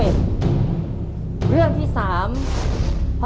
ขอบคุณครับ